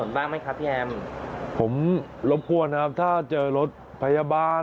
จะรับผิดชอบกับความเสียหายที่เกิดขึ้น